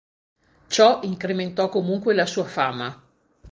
Ciò incrementò comunque la sua fama.